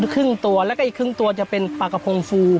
ครึ่งตัวแล้วก็อีกครึ่งตัวจะเป็นปลากระพงฟู